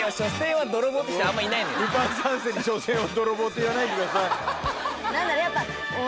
ルパン三世に「所詮は泥棒」って言わないでください。